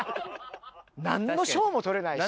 何の賞も取れないし。